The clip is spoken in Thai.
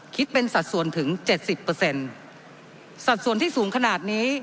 คิดเป็นสัดส่วนถึงเจ็ดสิบเปอร์เซ็นต์สัดส่วนที่สูงขนาดนี้